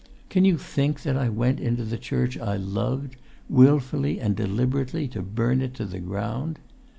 Can you think that I went into the church I loved, wilfully and deliberately to burn it to the ground?